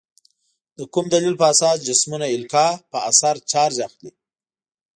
د کوم دلیل په اساس جسمونه القا په اثر چارج اخلي؟